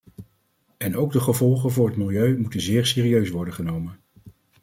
En ook de gevolgen voor het milieu moeten zeer serieus worden genomen.